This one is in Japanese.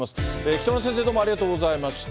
北村先生、どうもありがとうございました。